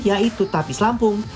yaitu tapis lampung